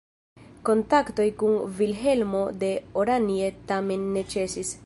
Kontaktoj kun Vilhelmo de Oranje tamen ne ĉesis.